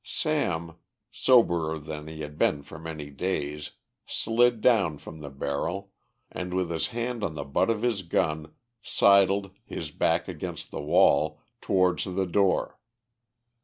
Sam, soberer than he had been for many days, slid down from the barrel, and, with his hand on the butt of his gun, sidled, his back against the wall, towards the door.